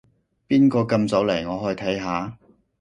邊個咁早嚟？我去睇下